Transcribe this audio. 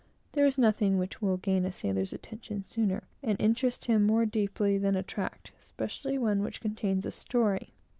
There is nothing which will gain a sailor's attention sooner, and interest him more deeply, than a tract, especially one which contains a story.